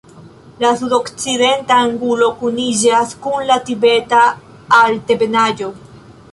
La sudokcidenta angulo kuniĝas kun la Tibeta Altebenaĵo.